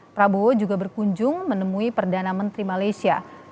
prabowo juga berkunjung menemui perdana menteri malaysia